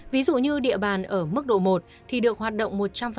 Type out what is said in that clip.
ví dụ như địa bàn ở mức độ một thì được hoạt động một trăm linh